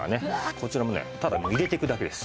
こちらもねただ入れていくだけです。